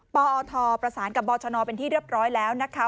ปอทประสานกับบชนเป็นที่เรียบร้อยแล้วนะคะ